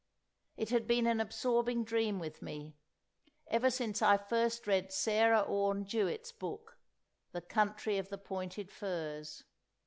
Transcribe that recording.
It had been an absorbing dream with me, ever since I first read Sarah Orne Jewett's book, The Country of the Pointed Firs.